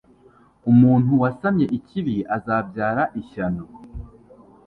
umuntu wasamye ikibi, azabyara ishyano